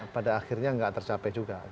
pada akhirnya nggak tercapai juga